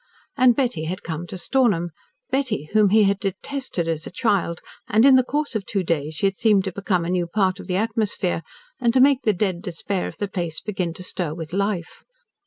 And Betty had come to Stornham Betty whom he had detested as a child and in the course of two days, she had seemed to become a new part of the atmosphere, and to make the dead despair of the place begin to stir with life.